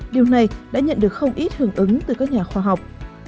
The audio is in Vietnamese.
điều này đã nhận được không ít hưởng ứng từ các nhà khoa học